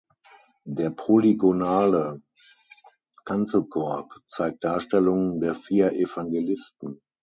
Der polygonale Kanzelkorb zeigt Darstellungen der vier Evangelisten.